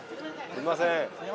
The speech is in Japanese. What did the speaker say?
すいません。